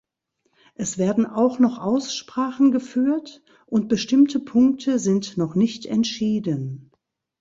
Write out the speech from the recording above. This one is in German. Es werden auch noch Aussprachen geführt, und bestimmte Punkte sind noch nicht entschieden.